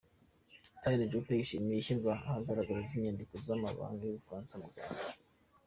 Alain Juppé yishimiye ishyirwa ahagaragara ry’inyandiko z’amabanga y’u Bufaransa mu Rwanda.